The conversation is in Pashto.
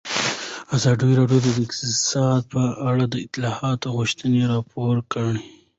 ازادي راډیو د اقتصاد په اړه د اصلاحاتو غوښتنې راپور کړې.